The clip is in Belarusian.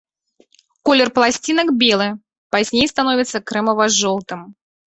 Колер пласцінак белы, пазней становіцца крэмава-жоўтым.